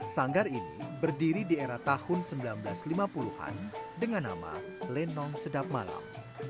sanggar ini berdiri di era tahun seribu sembilan ratus lima puluh an dengan nama lenong sedap malam